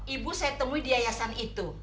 ibu saya temui di yayasan itu